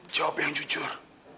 jawab yang jujur